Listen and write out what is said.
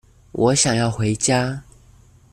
我想要回家